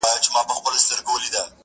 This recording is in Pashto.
• اوس مي ګوره دبدبې ته او دربار ته ..